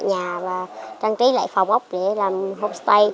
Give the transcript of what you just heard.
nhà và trang trí lại phòng ốc để làm homestay